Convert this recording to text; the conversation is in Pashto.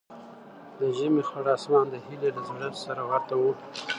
د ژمي خړ اسمان د هیلې له زړه سره ورته و.